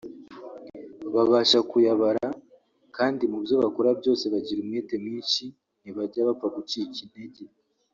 babasha kuyobara kandi mu byo bakora byose bagira umwete mwinshi ntibajya bapfa gucika intege